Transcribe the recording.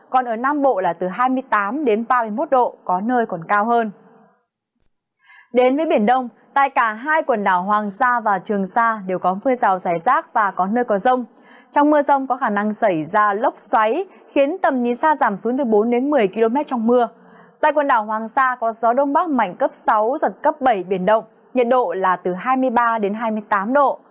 còn tại quần đảo trường sa chỉ có gió đông bắc mảnh cấp bốn nhiệt độ là từ hai mươi bốn đến hai mươi năm độ